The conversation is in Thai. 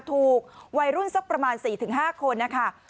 ถูกวัยรุ่นสักประมาณ๔๕คนนะคะ